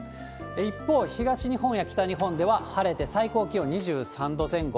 一方、東日本や北日本では晴れて、最高気温２３度前後。